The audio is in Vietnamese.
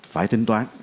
phải tính toán